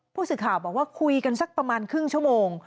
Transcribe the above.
ผู้สื่อข่าวบอกว่าคุยกันสักประมาณครึ่งชั่วโมง